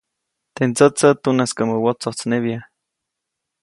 Teʼ ndsätsä tunaskäʼmä wotsojtsnebya.